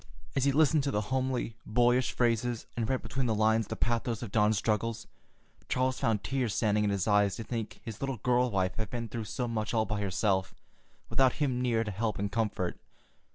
As he listened to the homely, boyish phrases and read between the lines the pathos of Dawn's struggles, Charles found tears standing in his eyes to think his little girl wife had been through so much all by herself, without him near to help and comfort.